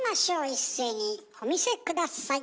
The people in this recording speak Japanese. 一斉にお見せ下さい！